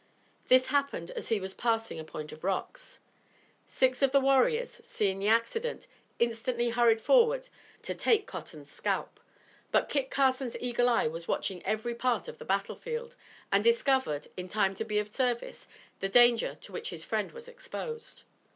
This happened as he was passing a point of rocks. Six of the warriors, seeing the accident, instantly hurried forward to take Cotton's scalp. But Kit Carson's eagle eye was watching every part of the battle field and discovered, in time to be of service, the danger to which his friend was exposed.